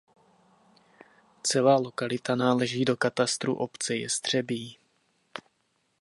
Celá lokalita náleží do katastru obce Jestřebí.